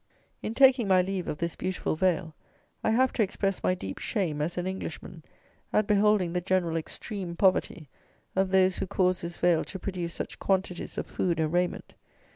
In taking my leave of this beautiful vale, I have to express my deep shame, as an Englishman, at beholding the general extreme poverty of those who cause this vale to produce such quantities of food and raiment.